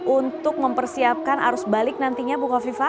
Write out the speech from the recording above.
untuk mempersiapkan arus balik nantinya bukov viva